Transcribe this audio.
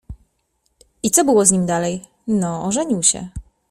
”— I co było z nim dalej? — No, ożenił się.